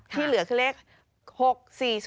ที่เหลือคือเลข๖๔๔